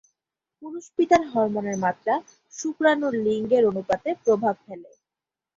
পুরুষ পিতার হরমোনের মাত্রা শুক্রাণুর লিঙ্গের অনুপাতে প্রভাব ফেলে।